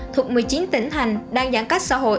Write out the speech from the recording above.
thuộc một mươi chín tỉnh thành đang giãn cách xã hội